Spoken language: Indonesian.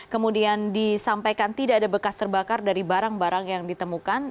kemudian disampaikan tidak ada bekas terbakar dari barang barang yang ditemukan